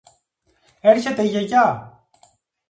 Έρχεται η Γιαγιά!